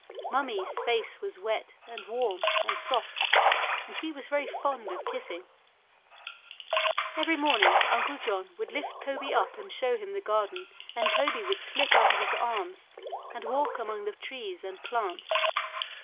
Mummie's face was wet and warm and soft, and she was very fond of kissing. Every morning Uncle John would lift Toby up and show him the garden, and Toby would slip out of his arms and walk among the trees and plants.